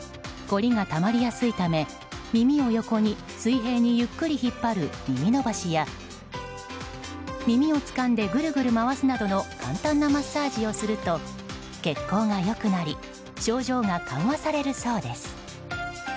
凝りがたまりやすいため耳を横に水平にゆっくり引っ張る耳伸ばしや、耳をつかんでぐるぐる回すなどの簡単なマッサージをすると血行が良くなり症状が緩和されるそうです。